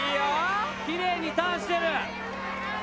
きれいにターンしてる。